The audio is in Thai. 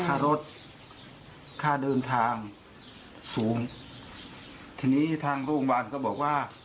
ค่ารถค่าเดินทางสูงทีนี้ทางโรงพยาบาลก็บอกว่า